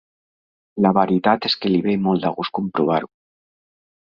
La veritat és que li ve molt de gust comprovar-ho.